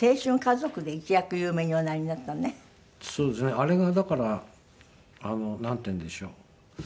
あれがだからなんていうんでしょう。